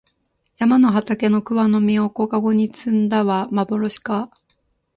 山の畑の桑の実を小かごに摘んだはまぼろしか